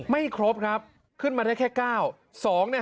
ไม่ครบครับขึ้นมาได้แค่๙